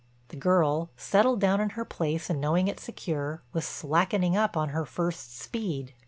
The girl—settled down in her place and knowing it secure—was slackening up on her first speed.